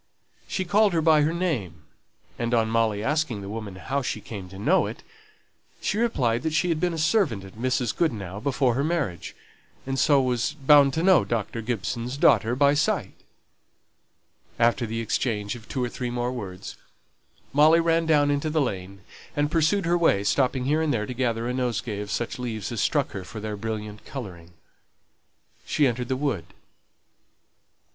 She called her by her name; and on Molly asking the woman how she came to know it, she replied that before her marriage she had been a servant of Mrs. Goodenough, and so was "bound to know Dr. Gibson's daughter by sight." After the exchange of two or three more words, Molly ran down into the lane, and pursued her way, stopping here and there to gather a nosegay of such leaves as struck her for their brilliant colouring. She entered the wood.